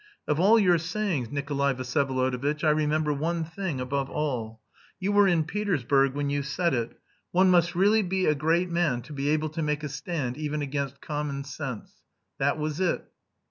"Of all your sayings, Nikolay Vsyevolodovitch, I remember one thing above all; you were in Petersburg when you said it: 'One must really be a great man to be able to make a stand even against common sense.' That was it."